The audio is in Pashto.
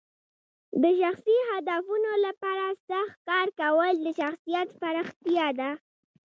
د شخصي هدفونو لپاره سخت کار کول د شخصیت پراختیا ده.